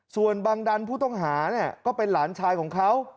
ส่วนบังดันผู้ต้องหาก็เป็นหลานชายของเขา